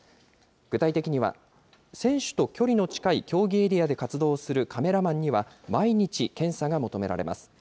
具体的には、選手と距離の近い競技エリアで活動するカメラマンには、毎日検査が求められます。